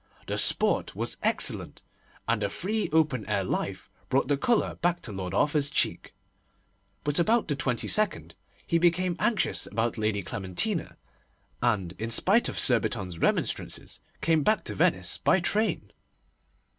The sport was excellent, and the free, open air life brought the colour back to Lord Arthur's cheek, but about the 22nd he became anxious about Lady Clementina, and, in spite of Surbiton's remonstrances, came back to Venice by train.